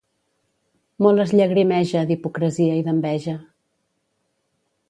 Molt es llagrimeja d'hipocresia i d'enveja.